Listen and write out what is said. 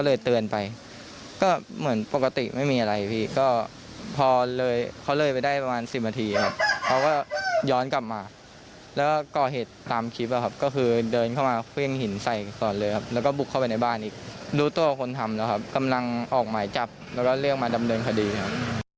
รู้ตัวคนทำแล้วครับกำลังออกหมายจับแล้วเรียกมาดำเนินคดีครับ